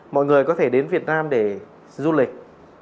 mọi người có thể đến việt nam để du lịch